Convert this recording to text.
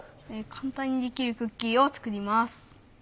簡単にできるクッキーを作ります。